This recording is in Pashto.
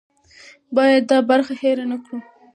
باید دا برخه هېره نه کړو.